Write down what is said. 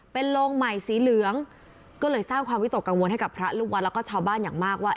เป็นโรงใหม่สีเหลืองก็เลยสร้างความวิตกกังวลให้กับพระลูกวัดแล้วก็ชาวบ้านอย่างมากว่า